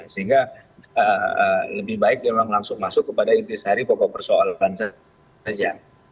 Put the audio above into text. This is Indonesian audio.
sehingga lebih baik dia memang langsung masuk kepada intisari pokok persoalan saja